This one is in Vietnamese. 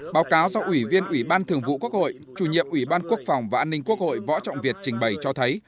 báo cáo do ủy viên ủy ban thường vụ quốc hội chủ nhiệm ủy ban quốc phòng và an ninh quốc hội võ trọng việt trình bày cho thấy